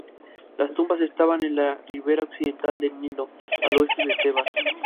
Las tumbas estaban en la ribera occidental del Nilo, al oeste de Tebas.